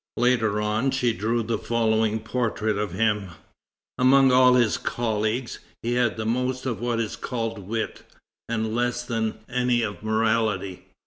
Later on she drew the following portrait of him: "Among all his colleagues, he had most of what is called wit, and less than any of morality.